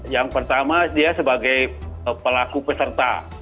yang pertama dia sebagai pelaku peserta